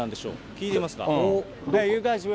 聞いてみます？